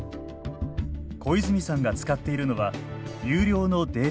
小泉さんが使っているのは有料のデータベース。